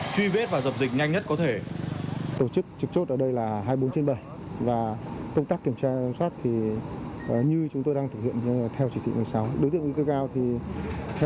truy vết và dập dịch nhanh nhất có thể